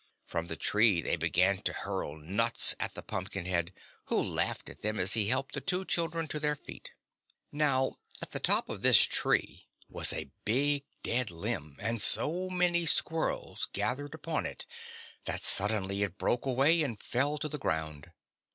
From the tree they began to hurl nuts at the Pumpkinhead, who laughed at them as he helped the two children to their feet. Now, at the top of this tree was a big dead limb, and so many squirrels gathered upon it that suddenly it broke away and fell to the ground.